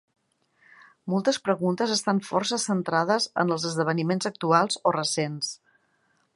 Moltes preguntes estan força centrades en els esdeveniments actuals o recents.